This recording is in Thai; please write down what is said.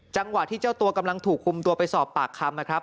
จังหวะที่เจ้าตัวกำลังถูกคุมตัวไปสอบปากคำนะครับ